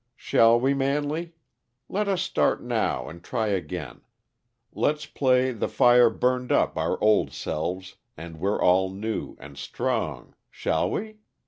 "Shall we, Manley? Let us start now, and try again. Let's play the fire burned up our old selves, and we're all new, and strong shall we?